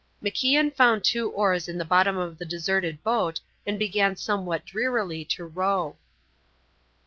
MacIan found two oars in the bottom of the deserted boat and began somewhat drearily to row.